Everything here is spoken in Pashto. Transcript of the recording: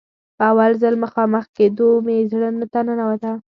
په اول ځل مخامخ کېدو مې زړه ته ننوته.